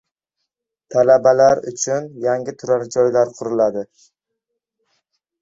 Talabalar uchun yangi turar joylar quriladi